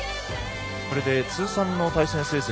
これで通算の対戦成績